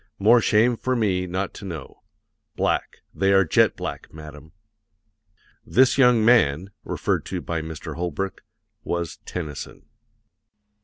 More shame for me not to know. Black; they are jet black, madam." "This young man" referred to by Mr. Holbrook was Tennyson.